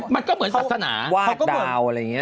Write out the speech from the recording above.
มันก็เหมือนศาสนา